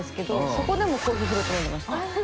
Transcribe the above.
そこでもコーヒーフロート飲んでました。